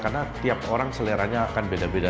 karena tiap orang seleranya akan beda beda